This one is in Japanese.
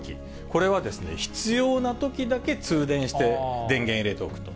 これはですね、必要なときだけ通電して、電源入れておくと。